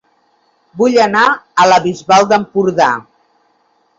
Vull anar a La Bisbal d'Empordà